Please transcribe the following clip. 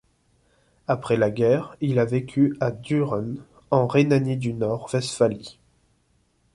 Après la guerre, il a vécu à Düren en Rhénanie-du-Nord-Westphalie.